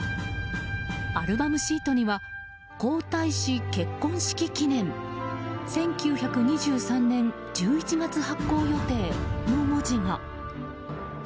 アルバムシートには「皇太子結婚式記念」「１９２３年１１月発行予定」の文字が。